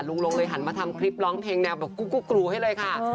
ลงเลยหันมาทำคลิปร้องเพลงแนวแบบกุ๊กกรูให้เลยค่ะ